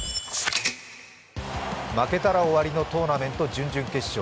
負けたら終わりのトーナメント準々決勝。